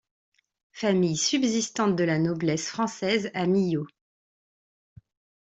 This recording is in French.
Famille subsistante de la noblesse française, à Millau.